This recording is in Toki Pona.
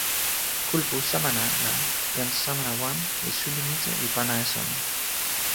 kulupu Samana la jan Samana wan li suli mute li pana e sona.